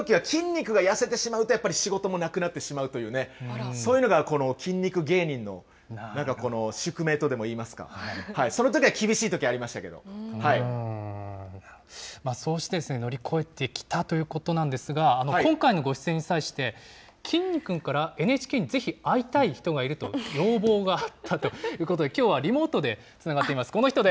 そのときは筋肉が痩せてしまうと、やっぱり仕事もなくなってしまうというね、そういうのが筋肉芸人のなんか宿命とでも言いますか、そのときは厳しいとき、ありましそうして乗り越えてきたということなんですが、今回のご出演に際して、きんに君からＮＨＫにぜひ会いたい人がいると要望があったということで、きょうはリモートでつながっています。